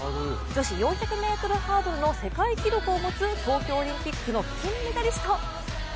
女子４００ｍハードルの世界記録を持つ東京オリンピックの金メダリスト。